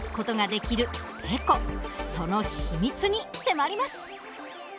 その秘密に迫ります。